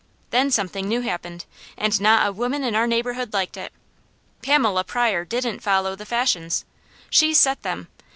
Then something new happened, and not a woman in our neighbourhood liked it. Pamela Pryor didn't follow the fashions. She set them.